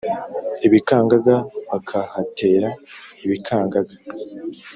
ibikangaga bakahatera ibikangaga!